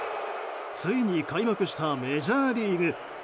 ついに開幕したメジャーリーグ。